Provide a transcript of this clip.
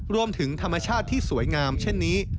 รวมถึงธรรมชาติที่สวยงามเช่นนี้